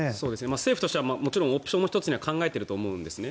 政府としてはもちろんオプションの１つには考えていると思うんですね。